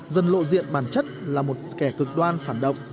dần lộ diện bản chất là một kẻ cực đoan phản động